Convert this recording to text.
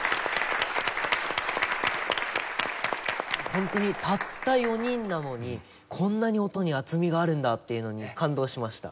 ホントにたった４人なのにこんなに音に厚みがあるんだっていうのに感動しました。